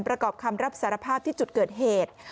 ประกอบคำรับสารภาพที่จุดเกิดเหตุ